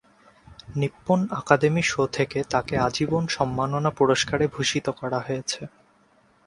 Nippon academy-show থেকে তাকে আজীবন সম্মাননা পুরস্কারে ভূষিত করা হয়েছে।